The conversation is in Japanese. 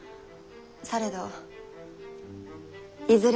されどいずれ